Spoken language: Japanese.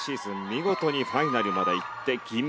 見事にファイナルまでいって銀メダル。